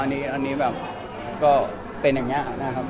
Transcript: อันนี้แบบก็เป็นอย่างงี้